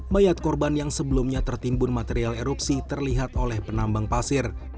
mayat korban yang sebelumnya tertimbun material erupsi terlihat oleh penambang pasir